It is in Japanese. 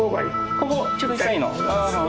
ここ？